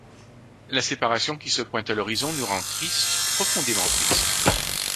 La séparation qui se pointe à l'horizon nous rend tristes, profondément tristes.